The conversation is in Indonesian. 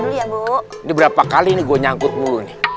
ini berapa kali ini gue nyangkut mulu nih